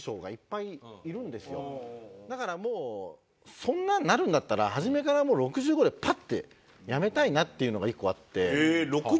そんなになるんだったら初めからもう６５でパッて辞めたいなっていうのが１個あって。